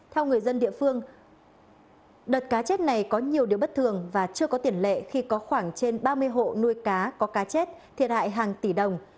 theo người dân địa phương đợt cá chết này có nhiều điều bất thường và chưa có tiền lệ khi có khoảng trên ba mươi hộ nuôi cá có cá chết thiệt hại hàng tỷ đồng